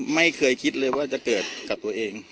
ไม่เคยคิดเลยว่าจะเกิดกับตัวเอง